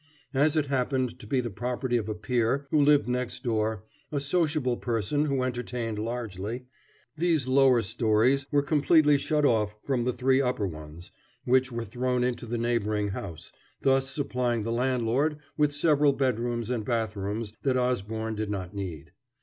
As it happened to be the property of a peer who lived next door a sociable person who entertained largely these lower stories were completely shut off from the three upper ones, which were thrown into the neighboring house, thus supplying the landlord with several bedrooms and bathrooms that Osborne did not need.